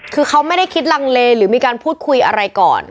คือเขาไม่ได้คิดลังเลหรือมีการพูดคุยอะไรก่อน